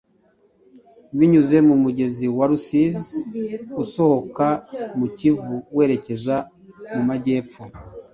binyuze mu mugezi wa Rusizi usohoka mu Kivu werekeza mu majyepfo